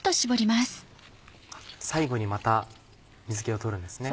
最後にまた水気を取るんですね。